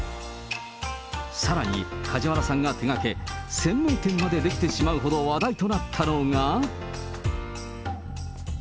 さらに梶原さんが手がけ、専門店まで出来てしまうほど話題となったのが。